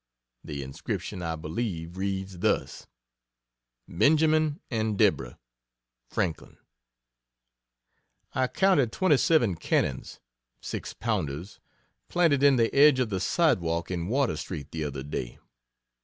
The inscription, I believe, reads thus: "Benjamin | and | Franklin" Deborah | I counted 27 cannons (6 pounders) planted in the edge of the sidewalk in Water St. the other day.